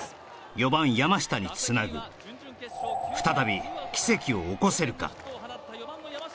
４番山下につなぐ再び奇跡を起こせるか？